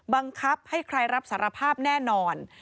บังคับให้ใครรับสารภาพแน่นอน